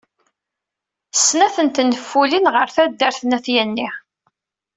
Snat n tenfulin ɣer taddart n At Yanni.